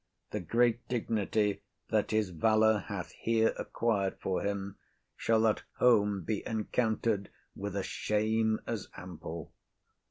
The great dignity that his valour hath here acquir'd for him shall at home be encountered with a shame as ample.